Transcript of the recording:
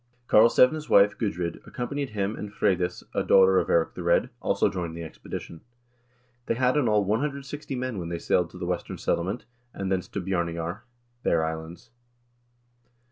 Karlsevne's wife, Gudrid, accompanied him, and Freydis, a daughter of Eirik the Red, also joined the expedi tion. "They had in all 160 men when they sailed to the Western Settle ment and thence to Bjarneyjar (Bear Islands).